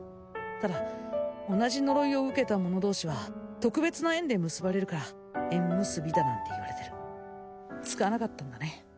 ただ同じ呪いを受けた者同士は特別な縁で結ばれるから縁結びだなんていわれてる使わなかったんだね？